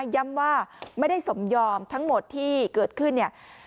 ย้ำว่าไม่ได้สมยอมทั้งหมดที่เกิดขึ้นเนี่ย